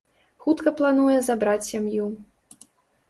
Хутка плануе забраць сям'ю.